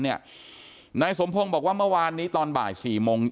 เนี้ยนายสมพงษ์บอกว่าเมื่อวานนครนี้ตอนบ่ายสี่โมง